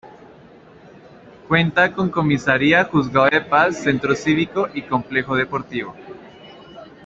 Cuenta con comisaría, juzgado de paz, centro cívico y complejo deportivo.